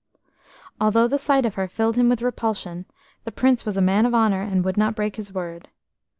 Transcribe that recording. Although the sight of her filled him with repulsion, the Prince was a man of honour, and would not break his word.